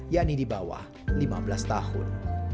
yakni di bawah lima belas tahun